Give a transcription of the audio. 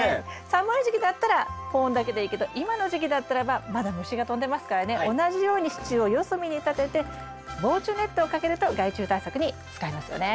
寒い時期だったら保温だけでいいけど今の時期だったらばまだ虫が飛んでますからね同じように支柱を四隅に立てて防虫ネットをかけると害虫対策に使えますよね。